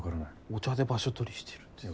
お茶で場所取りしてるって。